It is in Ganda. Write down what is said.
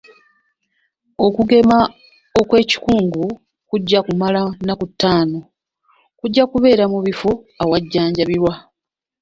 Okugema kw'ekikungo kujja kumala nnaku ttaano, kujja kubeera mu bifo awajjanjabirwa.